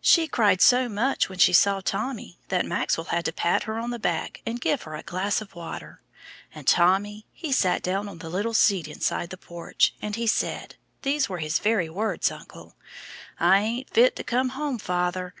She cried so much when she saw Tommy that Maxwell had to pat her on the back and give her a glass of water; and Tommy he sat down on the little seat inside the porch, and he said these were his very words, uncle 'I ain't fit to come home, father.